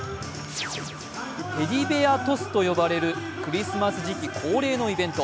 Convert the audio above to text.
テディベア・トスとよばれるクリスマス時期恒例のイベント。